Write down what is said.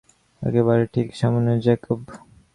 এক্কেবারে ঠিক সামনেই, জ্যাকব।